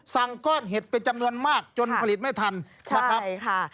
สั่งก้อนเห็ดเป็นจำนวนมากจนผลิตไม่ทันใช่ค่ะ